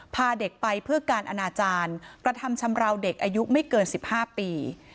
พาเด็กไปเพื่อการอนาจารย์กระทำชำราวเด็กอายุไม่เกิน๑๕ปี